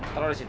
taruh di sini